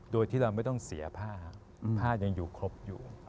โดยที่เราไม่ต้องเสียผ้าผ้ายังอยู่ครบอยู่